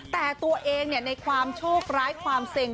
แต่ตัวเองในความโชคร้ายความเซ็ง